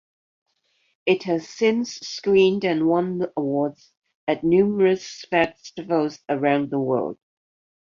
It has since screened and won awards at numerous festivals around the world.